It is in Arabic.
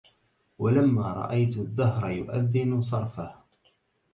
ولما رأيت الدهر يؤذن صرفه